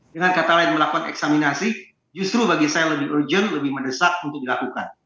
dengan kata lain melakukan eksaminasi justru bagi saya lebih urgent lebih mendesak untuk dilakukan